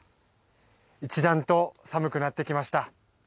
一段と寒くなってきました。